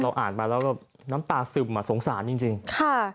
อ่านมาแล้วแบบน้ำตาซึมอ่ะสงสารจริงจริงค่ะ